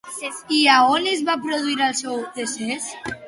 I a on es va produir el seu decés?